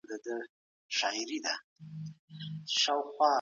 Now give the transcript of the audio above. ایا مسلکي بزګر وچه الوچه پلوري؟